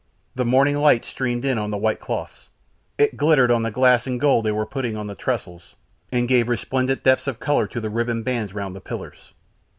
The morning light streamed in on the white cloths. It glittered on the glass and the gold they were putting on the trestles, and gave resplendent depths of colour to the ribbon bands round the pillars.